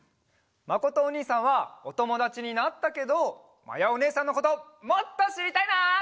まことおにいさんはおともだちになったけどまやおねえさんのこともっとしりたいな！